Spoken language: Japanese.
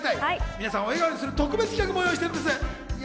皆さんを笑顔にする特別企画も用意しております。